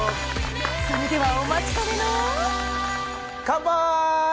それではお待ちかねのカンパイ！